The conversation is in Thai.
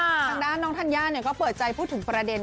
ทางด้านน้องธัญญาก็เปิดใจพูดถึงประเด็น